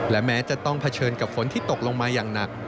และแม้จะต้องเผชิญกับฝนที่ตกลงมาอย่างหนัก